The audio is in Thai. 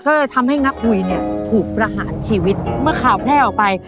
ก็เลยทำให้งักหุยเนี่ยถูกประหารชีวิตเมื่อข่าวแพร่ออกไป